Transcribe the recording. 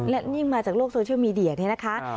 และยิ่งมาจากโลกโซเชียลมีเดียนี่นะคะ